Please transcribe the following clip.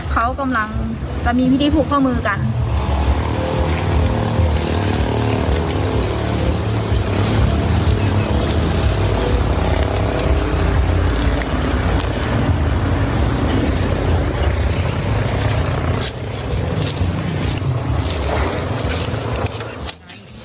เขากำลังจะมีพิธีผูกข้อมือกัน